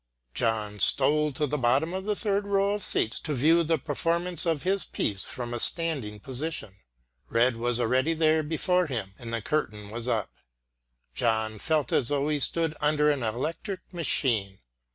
John stole to the bottom of the third row of seats to view the performance of his piece from a standing position. Rejd was already there before him and the curtain was up. John felt as though he stood under an electric machine.